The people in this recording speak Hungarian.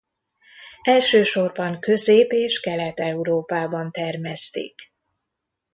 Elsősorban Közép- és Kelet-Európában termesztik.